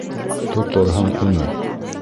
Тоторһоң уны!